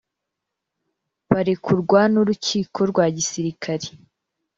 barekurwa n'urukiko rwa gisirikari.